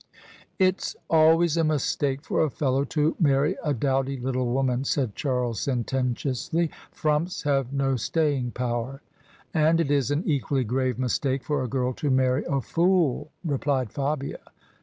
" It's always a mistake for a fellow to marry a dowdy little woman," said Charles, sententiously: "frumps have no staying power." " And it is an equally grave mistake for a girl to marry a fool," replied Fabia.